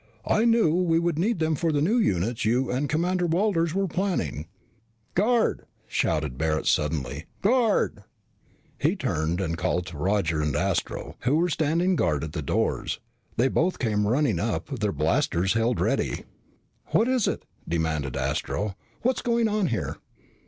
"I knew we would need them for the new units you and Commander Walters were planning." "Guard!" shouted Barret suddenly. "Guard!" He turned and called to Roger and Astro, who were standing guard at the doors. They both came running up, their blasters held at ready. "What is it?" demanded Astro. "What's going on here?"